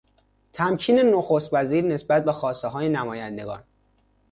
تمکین نخست وزیر نسبت به خواستههای نمایندگان